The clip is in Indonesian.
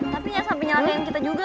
tapi gak sampai nyatain kita juga kak